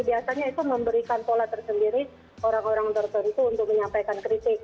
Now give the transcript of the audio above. biasanya itu memberikan pola tersendiri orang orang tertentu untuk menyampaikan kritik